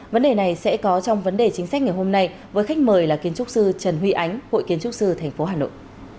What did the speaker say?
vấn đề này sẽ có trong vấn đề chính sách ngày hôm nay với khách mời là kiến trúc sư trần huy ánh hội kiến trúc sư tp hà nội